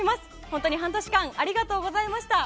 本当に半年間ありがとうございました。